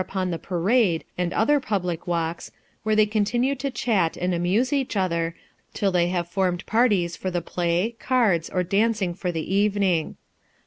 upon the parade, and other public walks, where they continue to chat and amuse each other, till they have formed parties for the play, cards, or dancing for the evening.